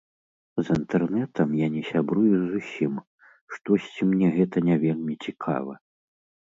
З інтэрнэтам я не сябрую зусім, штосьці мне гэта не вельмі цікава.